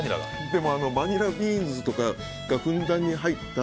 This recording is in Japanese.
でも、バニラビーンズとかがふんだんに入った